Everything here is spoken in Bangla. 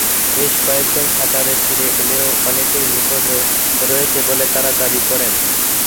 বেশ কয়েকজন সাঁতরে তীরে এলেও অনেকেই নিখোঁজ রয়েছে বলে তাঁরা দাবি করেন।